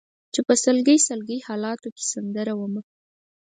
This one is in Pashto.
چې په سلګۍ سلګۍ حالاتو کې سندره ومه